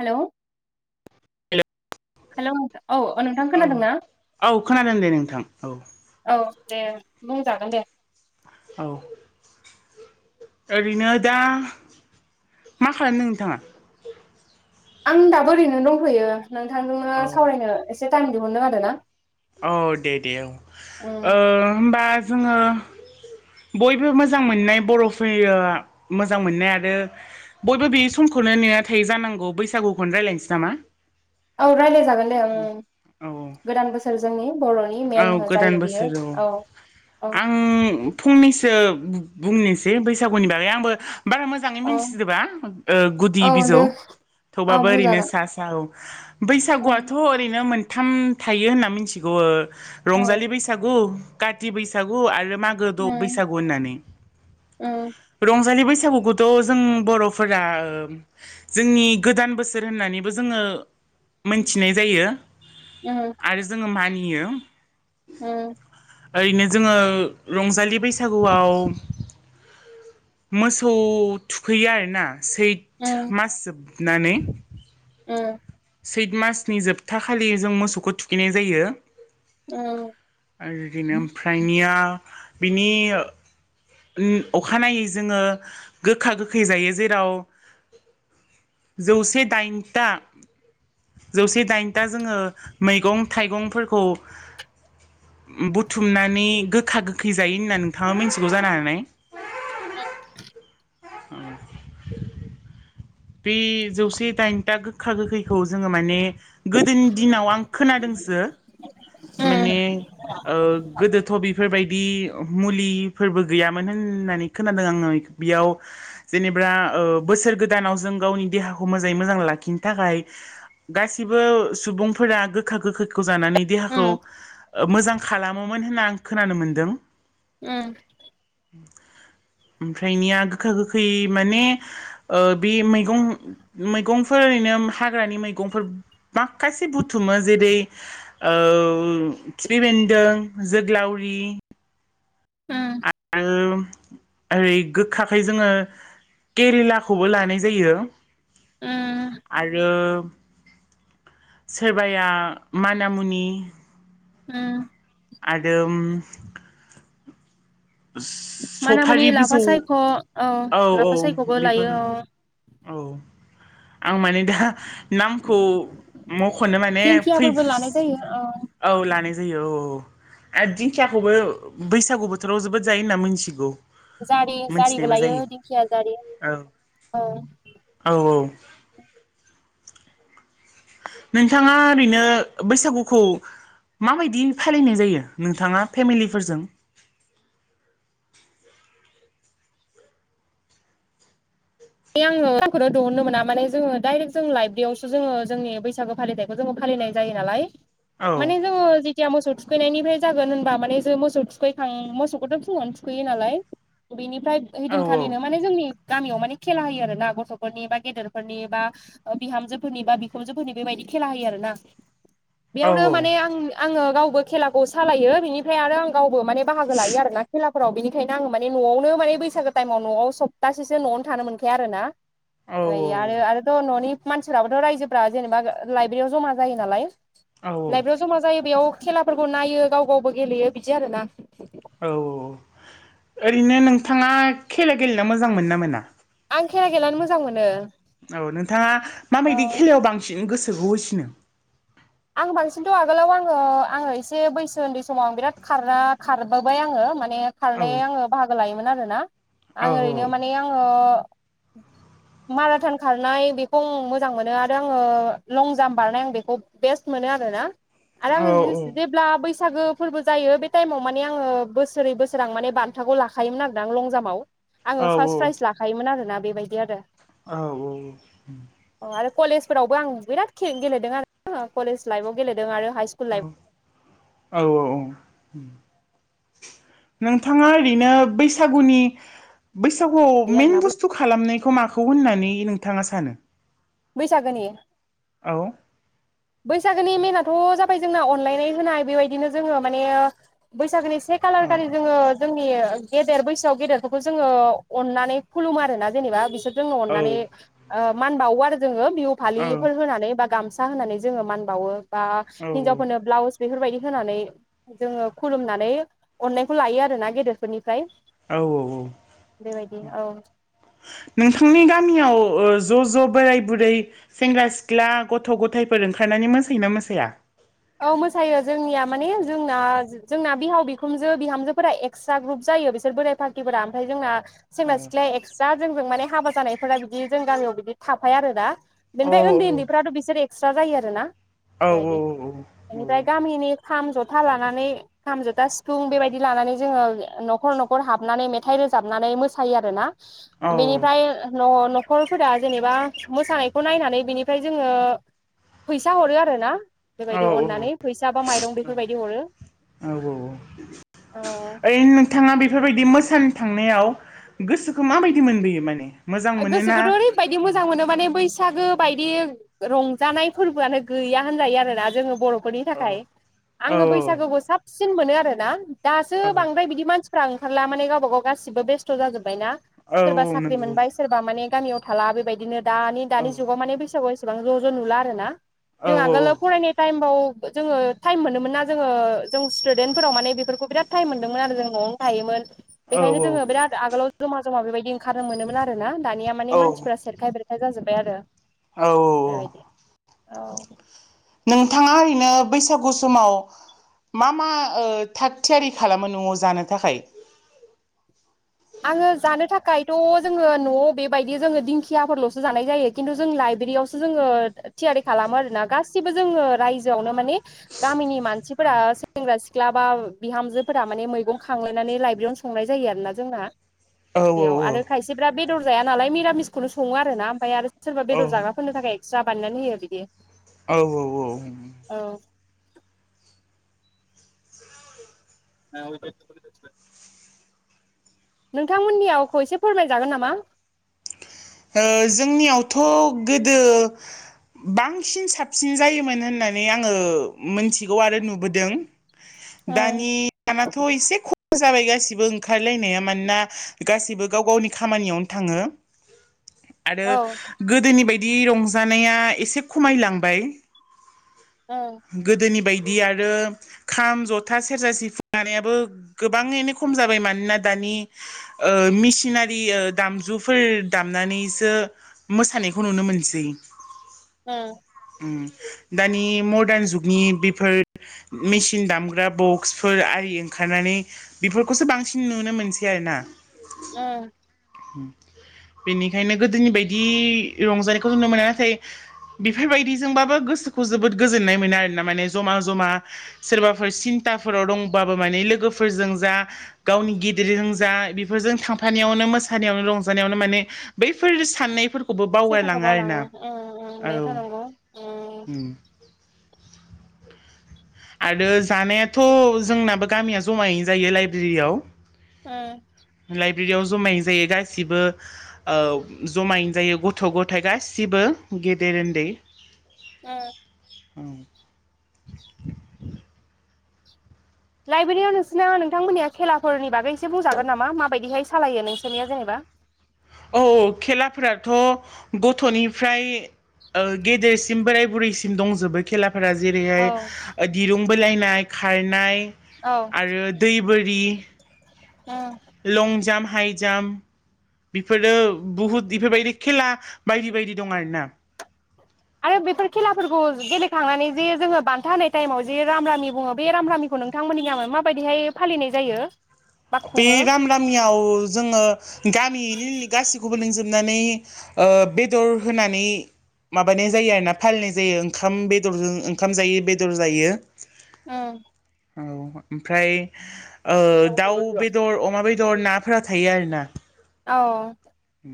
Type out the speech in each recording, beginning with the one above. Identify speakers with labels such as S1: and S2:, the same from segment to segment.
S1: Hello.
S2: Hello
S1: hello! औ अ नोंथां
S2: औ
S1: खोनादोंना?
S2: औ खोनादों दे नोंथां औ
S1: अ दे बुंजागोन दे।
S2: औ। ओरैनो दा मा खालामदों नोंथाङा?
S1: आं दाबो ओरैनो दंथयो नोंथांजोंनो
S2: औ
S1: सावरायनो एसे टाइम दिहुनदों आर ना।
S2: औ दे दे औ
S1: उम
S2: ओ होमबा जोङो। बयबो मोजां मोननाय बर'फोय मोजां मोननाय आरो। बयबो बे समखौनो नेना थायो जानांगौ बैसागुखौनो रायज्लायनोसै नामा?
S1: औ राय्लाय जागोन दे ओं
S2: औ
S1: गोदान बोसोर जोंनि। बर'नि
S2: औ
S1: मेन
S2: गोदान
S1: जायो बियो
S2: बोसोराव
S1: औ औ
S2: आं फंनैसो। बु बुंनिसै बैसागुनि बागै आंबो। बारा मोजाङै
S1: औ
S2: मिथिजोबा ओ गुदि
S1: औ दे
S2: बिजौ
S1: औ
S2: थेवबाबो ओरैनो
S1: बुंजागोन
S2: सा सा औ।
S1: उम
S2: बैसागुआथ' ओरैनो मोनथाम थायो होनना मिथिगौ
S1: उम
S2: रंजालि बैसागु। काथि बैसागु आरो मागो द'
S1: उम
S2: बैसागु होननानै रंजालि बैसाग गुखौथ' जों बर'फोरा ओम जोंनि गोदान बोसोर होननानैबो जोङो। मोनथिनाय जायो
S1: उम
S2: आरो जोङो मानियो।
S1: उम।
S2: ओरैनो जोङो रंजालि बैसागुआव। मोसौ थुखैयो आरोना। सैथ
S1: उम
S2: मास जोबनानै।
S1: उम।
S2: सैथ मासनि जोबथा खालि जों मोसौखौ थुखैनाय जायो।
S1: उम
S2: आरदिनो ओमफ्रायनिया बिनि। उम अखानायै जोङो गोखा गोखै जायो जेराव। जौसे दाइनथा जौसे दाइनथा जोङो मैगं थाइगंफोरखौ बुथुमनानै गोखा गोखै जायो होनना नोंथाङा मिथिगौ जानो हानाय।
S1: औ
S2: उम बे जौसे दाइनथा गोखा गोखैखौ जोङो माने गोदोनि दिनाव आं खोनादोंसो माने ओ गोदोथ बि फोरबायदि मुलिफोरबो गैयामोन होननानै खोनादों आङो बेयाव जेनेबा ओ बोसोर गोदानाव जों गावनि देहाखौ मोजाङै मोजां लाखिनो थाखाय गासिबो सुबुंफोरा गोखा गोखैखौ जानानै
S1: उम
S2: देहाखौ मोजां खालामोमोन होनना आं खोनानो मोनदों।
S1: उम
S2: ओमफ्रायनिया गोखा गोखै माने ओ बे मैगं मैगंफोर ओरैनो हाग्रानि मैगंफोर माखासे बुथुमो जेरै ओ खिफि बेन्दों जोग्लावरि
S1: उम
S2: ओ ओरै गोखाखै जोङो केरिलाखौबो लानाय जायो।
S1: उम
S2: आरो सोरबाया माना मुनि
S1: उम
S2: आरो
S1: मानामुनि
S2: सफारि
S1: लाफा
S2: बिजौ
S1: सायख' औ
S2: औ
S1: लाफा सायख'बो
S2: औ बेफोर
S1: लायो औ
S2: औ आं माने दा नामखौ मखनो माने फै
S1: दिंखियाफोरबो लानाय जायो ओ
S2: औ लानाय जायो औ औ आरो दिंखियाखौबो बैसागु बोथोराव जोबोद जायो होनना मोनथिगौ।
S1: जारि जारिबो
S2: मोनथिनायबो
S1: लायो
S2: जायो
S1: दिंखिया जारि
S2: औ
S1: औ
S2: औ औ नोंथाङा ओरैनो बैसागुखौ माबायदि फालिनाय जायो नोंथाङा फेमिलिफोरजों?
S1: [inaudible] बे आङो टाइमखौनो दिहुननो मोना माने जोङो डाइरेक जों लाइब्रेयावसो जोङो जोंनि बैसागु फालिथायखौ जों फालि - नाय जायो नालाय
S2: औ
S1: माने जोङो जेदिया मोसौ थु खैनायनिफ्राय जागोन होनबा माने जों मोसौ थुखैखां मोसौखौथ फुङावनो थुखैयो नालाय बेनि फ्राय
S2: औ
S1: ओइदिनखालिनो माने जोंनि गामियाव माने खेला होयो आरो ना गथ'फोरनि बा गेदेरफोरनि बा बिहामजोफोरनि बा बिखुनजोफोरनि बेबायदि खेला होयो आरो
S2: औ
S1: बेयावनो माने आं आङो गावबो खेलाखौ सालायो बिनिफ्राय आरो आं गाव बो माने बाहागो लायो आरो ना खेला फोराव बेनिखायनो आङो माने न'आवनो माने बैसागो टाइमाव न'आव सप्तासेसो न'आवनो थानो मोनखाया आरो ना
S2: औ
S1: आरो आरो आरो थ न'नि मानसिफ्राबोथ रायजोफोरा जेनेबा लाइबेरियाव जमा जायो नालाय
S2: औ
S1: लाइब्रेयाव जमा जायो बेयाव खेलाफोरखौ नायो गाव गावबो गेलेयो बिदि आरो ना
S2: औ औ ओरैनो नोंथाङा खेला गेलेना मोजां मोन ना मोना?
S1: आं खेला गेलेनानै मोजां मोनो।
S2: औ नोंथाङा
S1: औ
S2: माबायदि खेलायाव बांसिन गोसोखौ होसिनो?
S1: आं बांसिनथ आगोलाव आङो आङो एसे बैसो उन्दै समाव आं बिराद खारा-खारबोबाय आङो माने
S2: औ
S1: खारनाय आङो बाहागो लायोमोन आरोना
S2: औ
S1: आं ओरैनो माने आङो माराथन खारनाय बेखौ आं मोजां मोनो आरो आङो लं जाम्प बारनाय आं बेखौ बेस्ट मोनो आरोना आरो
S2: औ
S1: आङो जेब्ला बैसो बैसागो फोरबो जायो बे टाइमाव माने आङो बोसोरै बोसोर आं माने बान्थाखौ लाखायोमोन आरोना लं जाम्पआव आङो फार्स्ट प्राइज लाखायोमोन आरोना बेबायदि आरो
S2: औ औ औ
S1: आरो कलेजफोरावबो आं बिराद खे-गेलेदों आरो आ कलेज लाइफव गेलेदों आरो हाइ स्कुल लाइफ
S2: औ औ औ नोंथाङा ओरैनो बैसागुनि बैसागुआव
S1: लाइफ
S2: मेन
S1: आरोना
S2: बुस्थु खालामनायखौ माखौ होननानै नोंथाङा सानो
S1: बैसागोनि
S2: औ
S1: बैसागोनि मेेनथ' जाबाय जोंना अनलायनाय होनाय बेबायदिनो जोङो माने बैसागोनि से खालार
S2: औ
S1: खालि जोङो जोंनि गेदेर बैसोआव गेदेरफोरखौ जोङो अननानै खुलुम आरोना जेनेबा बिसोर जोंनो
S2: औ
S1: अननानै मान बावो आरो जोङो बिहु फालिफोर होनानै बा गामसा होनानै जोङो मान बावो बा
S2: औ
S1: हिनजावफोरनो ब्लावस बेफोरबायदि होनानै जोङो खुलुमनानै अननायखौ लायो आर ना गेदेरफोरनि
S2: औ औ
S1: बेबायदि
S2: औ
S1: औ
S2: नोंथांनि गामियाव ज' ज' बोराय बुरै सेंग्रा सिख्ला गथ' गथायफोर ओंखारनानै मोसायोना मोसाया
S1: औ मोसायो जोंनिया माने जोंना जोंना बिहाव बिखुनजो बिहामजोफोरा एक्सट्रा ग्रुप जायो बिसोर बोराइ फाखिफोरा ओमफ्राय जोंना
S2: औ
S1: सेंग्रा सिख्लााया एक्सट्रा जोंजों माने हाबा जानायफोरा बिदि जों गामियाव बिदि थाफायो आरो दा
S2: औ
S1: बेनिफ्राय उन्दै उन्दैफ्राथ' बिसोर एक्सट्रा जायो आरो ना
S2: औ औ औ औ
S1: गामिनि खाम जथा लानानै खाम जथा सिफुं बेबायदि लानानै जोङो न'खर न'खर हाबनानै मेथाइ रोजाबनानै मोसायो आरोना
S2: औ
S1: बेनिफाय न' न' नखरफोरा जेनेबा मोसानायखौ नायनानै बिनिफ्राय जोङो फैसा हरो आर ना बेबायदि अननानै फैसा बा माइरं बेफोरबायदि हरो
S2: औ औ
S1: औ
S2: ओइ नोंथाङा बेफोरबायदि मोजां सान थांनायाव गोसोखौ माबायदि मोनबोयो माने मोजां मोनोना
S1: गोसोखौथ' ओरैबायदि
S2: औ
S1: मोजां मोनो माने बैस सागो बायदि रंजानाय फोरबोआनो गैया होनजायो आरोना जोङो बर' खरनि
S2: औ
S1: थाखाय
S2: औ
S1: आङो बैसागुखौ साबसिन मोनो आरोोना दासो
S2: औ
S1: बांद्राय बिदि मानसि फोरा ओंखारला माने गावब गाव गासिबो बेस्थ' जाजोबबायनाा
S2: औ
S1: सोरबा साख्रि
S2: नंगौ
S1: मोनबाय सोरबा माने गामियाव थाला बेबायदिनो दानि
S2: औ
S1: दानि जुगाव माने बैसागु एसेबां ज' ज' नुला आरो ना
S2: औ
S1: जोंहा
S2: औ
S1: आगोलाव फरायनाय टाइम बाव जोङो थाइम मोनोमोन ना जोङो जों स्टुडेन्टफोराव माने बेफोरखौ बिराद टाइम मोनदोंमोन आरो जों न'आव थायोमोन बेखायनो जोङो
S2: औ
S1: बिराद आगोलाव जमा जमा बेबायदि ओंखारनो आरो ना दानिया माने मानसिफोरा सेरखाय बेरखाय जाजोब्बाय आरो
S2: औ औ
S1: बेबायदि
S2: औ
S1: औ
S2: नोंथाङा ओरैनो बैसागु समाव मा मा ओ थाग थियारि खालामो न'आव जानो थाखाय
S1: आङो जानो थाखायथ' जोङो न'आव बेबायदि जोङो दिंखियाफोरल'सो जानाय जायो खिन्थु जों लइ बेदियावसो जोङो थियारि खालामो आरोना गासिबो जोङो रायजोआवनो माने गामिनि मानसिफोरा सेंग्रा सि ख्ला बा बिहामजोफोरा माने मैगं खांलायनानै लाइब्रेरियावनो संनाय जायो आरोना जोंना
S2: औ
S1: बेयाव
S2: औ
S1: आरो खायसेफ्रा बेदर जाया नालाय निरामिसखौनो सङो आर ना ओमफ्राय आरो सोरबा
S2: औ
S1: बेदर जाग्राफोरनो थाखाय एक्सट्रा बानायनानै होयो बिदि
S2: औ औ औ
S1: [unintelligible] नोंथांमोननि आवखौ एसे फोरमायजागोन नामा
S2: जोंनियावथ' गोदो। बांसिन साबसिन जायोमोन होननानै आङो मोनथिगौ आरो नुबोदों।
S1: उम
S2: दानि दानथ' एसे खम। जाबाय गासिबो ओंखारलायनाया मानोना गाैबो गाव गावनि खामानियावनो थाङो। आरो
S1: औ
S2: गोदोनि बायदि रंजानाया एसे खमायलांबाय।
S1: उम
S2: गोदोनि बायदि। बिदि आरो खाम जथा सेरजा सिफुंनायाबो गोबाङैनो खम जाबाय मानोना दानि नि ओ मिसिनारि दामजु फोर नानैसो मोसानायखौ नुनो मोनसै।
S1: ओ
S2: दानि मदार्न जुगनि बेफोर मेसिन दामग्रा बक्सफोर ओंखारनानै बेफोरखौसो बांसिन नुनो मोनसै आरोना।
S1: ओ
S2: बेनिखायनो गोदोनि बायदि रंजानायखौ जुनो मोना नाथाय बेफोरबायदिजोंबाबो गोसोखौ जोबोद गोजोननाय मोनो आरो ना माने जमा जमा सोरबाफोर सि थाफोराव दंबाबो माने लोगोफोरजों जा गावनि गिदिरजों जा बेफोरजों थांफानायावनो मोसानायनो रजानायावनो माने बैफोर साननायफोर खौबो
S1: सेन्टारखौ
S2: बावगायलाङो आरोना
S1: बावलाङो उम उम बे
S2: औ
S1: थानांगौ उम
S2: आरो जानायाथ' जोंनाबो गामिया जमायैनो जायो लाइब्रेरियाव।
S1: ओ
S2: [unintelligible] जमायै जायो गासिबो ओ जमायैनो जायो गथ' गथाय गासिबो। गेदेर उन्दै
S1: ओ
S2: उ
S1: लाइब्रेरियाव नोंसिोरना नोंथांमोननिया खेलाफोरनि बागै एसे बुंजागोन नामा माबायदिहाय सालायो नोंसोरनिया जेनेबा। [inaudible]
S2: औ औ खेलाफोराथ' गथ'निफ्राय ओ गेदेरसि सिम बोराय बुरैसिम दंजोबो खेलाफोरा
S1: औ
S2: जेरैहाय दिरुं बोलायनाय खारनाय
S1: औ
S2: आरो दै बोरि
S1: ओ
S2: लंजाम हाइ जाम्प। बेफोरो बहुद बेफोरबायदि खेला बायदि बायदि दं आरोना।
S1: आरो बेफोर खेलाफोरखौ गेलेखांनानै जे जोङो बान्था होनाय टाइमाव जे राम रामि बुङो बे राम रामिखौ नोंथांमोननिामाय माबायदिहाय फालिनाय जायो। बा
S2: बे
S1: खुङो
S2: राम रामियाव जोङो गामिनि गासैखौबो लिंजोब नानै ओ बेदर होनानै माबानाय जायो आरोना फालिनाय जायो ओंखाम बेदरजों ओंखाम जायो बेदर जायो।
S1: ओ
S2: औ ओमफ्राय ओ दाउ बेदर अमा। अमा बेदर नाफोरा थायो आरो ना।
S1: औ
S2: उ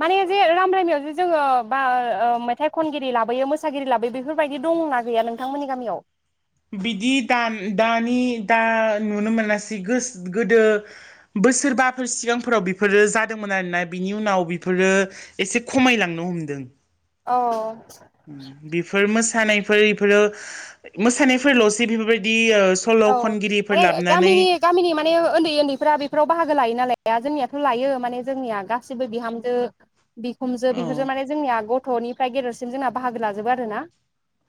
S1: माने जे राम रामियाव जे जोङो बा ओ मेथाइ खनगिरि लाबोयो मोसागिरि लाबोयो बेफोरबायदि दं दंना गैया नोंथांमोननि गामियाव?
S2: बिदि दान दानि दा नुनो मोनासै गोसो गोदो बोसोरबाफोर सिगांफोराव बेफोरो जादोंमोन आरोना बिनि उनाव बेफोरो एसे खमायलांनो हमदों।
S1: औ
S2: बेफोर मोस मोसानायफोर इफोरो मोसानायफोरल'सो बेफोरबायदि ओ सल'
S1: औ
S2: खनगिरिफोर
S1: माने
S2: लाबोनानै
S1: गामिनि गामिनि माने उन्दै उन्दैफ्रा बेफोराव बाहागो लायोना लाया? जोंनियाथ' लायो माने जोंनिया गासिबो बिहामजो बिखुमजो
S2: औ
S1: बेफोरजों माने जोंनिया गथ'निफ्राय गेदेरसिम जोंना बाहागो लाजोबो आरोना।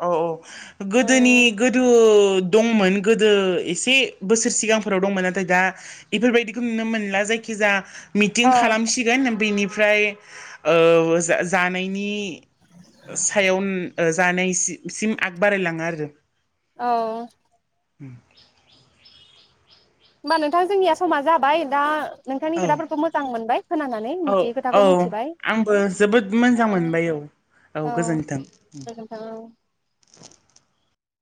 S2: औ औ गोदोनि
S1: उम
S2: गोदो दंमोन गोदो एसे बोसोर सिगांफोराव दंमोन नाथाय दा बेफोरबायदिखौ नुनो मोनला जायखिजा मिटिं
S1: अ औ
S2: खालामसिगोन बिनि फ्राय ओ जानायनि सायाव जानायस सिम आग बारायलाङो आरो जों
S1: औ
S2: उम
S1: होमबा नोंथां जोंनिया समा जाबाय दा नोंथांनि
S2: औ
S1: खोथाफोरखौ मोजां मोनबाय खोनानानै
S2: औ
S1: मिथियै खोथाखौ
S2: औ
S1: मिथिबाय।
S2: आंबो जोबोद
S1: ओ
S2: मोजां मोनबाय औ
S1: औ गोजोनथों ओं